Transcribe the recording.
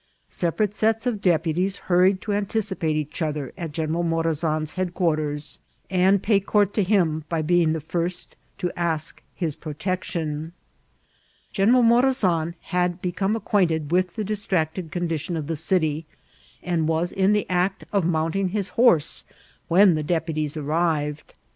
Separate sets of deputies hur ried to aatioipate each other at Gteneral Morantn's headquarters, and pay ooort to him by being the first to ask his protection* Oeneral Morasan had become ac quainted with the distracted condition of the eity, and was in the act of mounting his horse when die deputies arriyed.